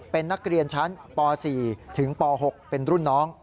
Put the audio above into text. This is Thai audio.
เป็นนักเรียนชั้นป๔ถึงป๖เป็นรุ่นน้อง